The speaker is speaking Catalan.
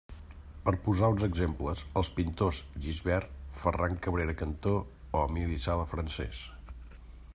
Per posar uns exemples els pintors Gisbert, Ferran Cabrera Cantó o Emili Sala Francés.